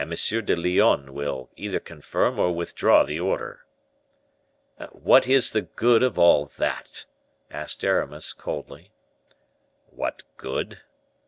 de Lyonne will either confirm or withdraw the order." "What is the good of all that?" asked Aramis, coldly. "What good?"